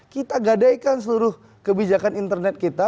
kita gadaikan seluruh kebijakan internet kita